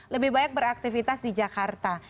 lebih banyak beraktivitas di jakarta